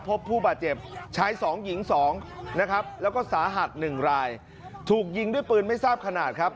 พบผู้บาดเจ็บชายสองหญิงสองนะครับแล้วก็สาหัสหนึ่งรายถูกยิงด้วยปืนไม่ทราบขนาดครับ